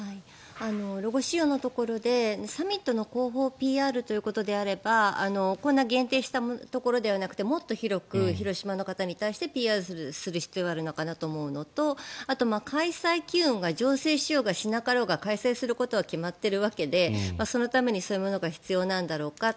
ロゴ使用のところでサミットの広報ＰＲということであればこんな限定したところではなくてもっと広く広島の方に対してＰＲする必要があるのかなと思うのとあと、開催機運が醸成しようがしなかろうが開催することは決まっているわけでそのためにそういうものが必要なんだろうかと。